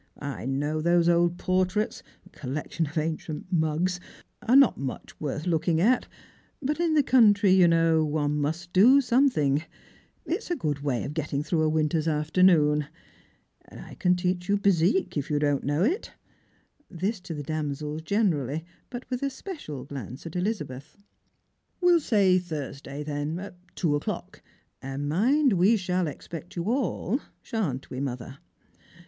I know those old {)ortraitB — a collection of ancient mugs — are not much worth ooking at ; but in the country, you know, one must do some thing; it's a good way of getting through a winter's afternoon. Strangers and Pilgrims. 99 And I can teach you bezique, if you don't know it "— this to the damsels generally, but with a special glance at Elizabeth. " We'll say Thursday then, at two o'clock ; and mind, we shall expect you all, shan't we, mother